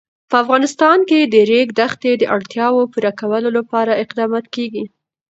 په افغانستان کې د د ریګ دښتې د اړتیاوو پوره کولو لپاره اقدامات کېږي.